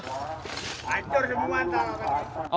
hancur jadi memantah